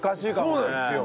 そうなんですよ。